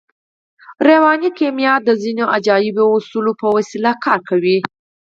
رواني کیمیا د ځينو عجیبو اصولو په وسیله کار کوي